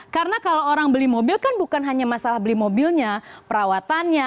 karena kalau orang beli mobil kan bukan hanya masalah beli mobilnya perawatannya